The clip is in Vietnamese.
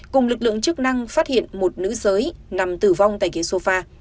cùng lực lượng chức năng phát hiện một nữ giới nằm tử vong tại ghế sofa